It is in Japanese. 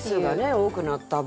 多くなった分。